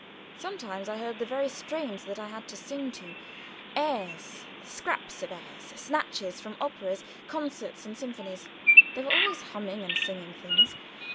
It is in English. Sometimes I heard the very strains that I had to sing to: airs, scraps of airs, snatches from operas, concerts and symphonies. They were always humming and singing things.